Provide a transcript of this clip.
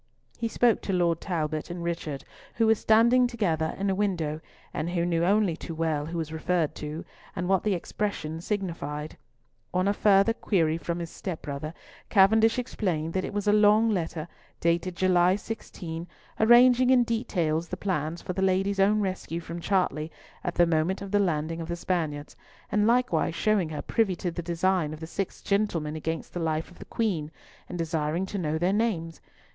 He spoke to Lord Talbot and Richard, who were standing together in a window, and who knew only too well who was referred to, and what the expression signified. On a further query from his step brother, Cavendish explained that it was a long letter, dated July 16, arranging in detail the plan for "the Lady's" own rescue from Chartley at the moment of the landing of the Spaniards, and likewise showing her privy to the design of the six gentlemen against the life of the Queen, and desiring to know their names.